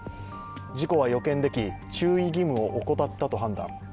事故は予見でき、注意義務を怠ったと判断